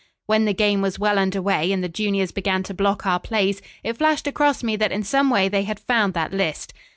"When the game was well under way and the juniors began to block our plays, it flashed across me that in some way they had found that list.